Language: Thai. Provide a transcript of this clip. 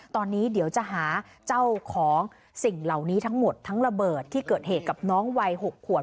ตอนนี้เดี๋ยวจะหาเจ้าของสิ่งเหล่านี้ทั้งหมดทั้งระเบิดที่เกิดเหตุกับน้องวัย๖ขวบ